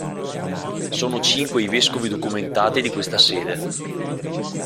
Sono cinque i vescovi documentati di questa sede.